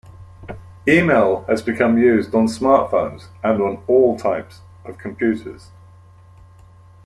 Email has become used on smartphones and on all types of computers.